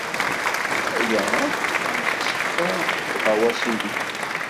Aya akk yettekka deg uɣawas-inu.